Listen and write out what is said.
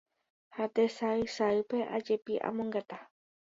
ha tesaysaýpe ajepy'amongeta